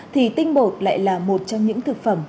thì tinh bột lại là một trong những thực phẩm